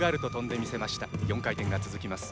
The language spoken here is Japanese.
４回転が続きます。